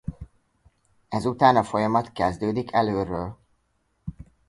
Ezután a folyamat kezdődik elölről.